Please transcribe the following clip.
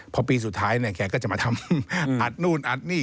พอปีสุดท้ายเนี่ยแกก็จะมาทำอัดนู่นอัดนี่